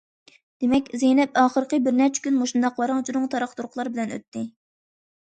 دېمەك، زەينەپ، ئاخىرقى بىر نەچچە كۈن مۇشۇنداق ۋاراڭ- چۇرۇڭ، تاراق- تۇرۇقلار بىلەن ئۆتتى.